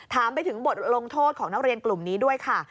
ถามไปถึงบทลงโทษของนักเรียนกลุ่มนี้ด้วยค่ะ